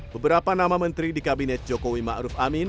beberapa nama menteri di kabinet jokowi ma'ruf amin